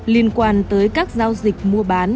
liên quan tới các giao dịch mua bán